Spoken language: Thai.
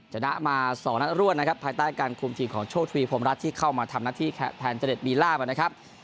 ชนะมา๒นัดรวดนะครับภายใต้การคุมทีมของโชคทวีพรมรัฐที่เข้ามาทำหน้าที่แทนเจร็ดมีลาบนะครับ